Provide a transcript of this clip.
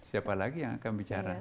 siapa lagi yang akan bicara